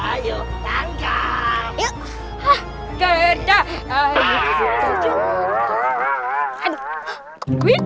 aduh aduh sakit